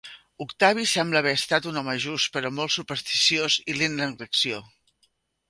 Octavi sembla haver estat un home just però molt supersticiós i lent en l'acció.